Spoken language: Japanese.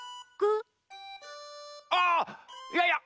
あいやいや！